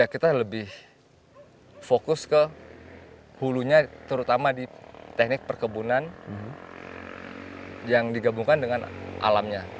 kita lebih fokus ke hulunya terutama di teknik perkebunan yang digabungkan dengan alamnya